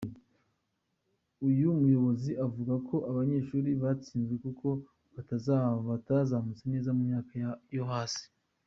Uyu muyobozi avuga ko abanyeshuri batsinzwe kuko batazamutse neza mu myaka yo hasi.